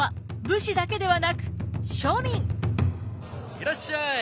いらっしゃい！